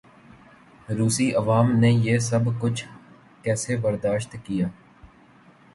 روسی عوام نے یہ سب کچھ کیسے برداشت کیا؟